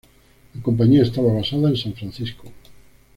La compañía estaba basada en San Francisco.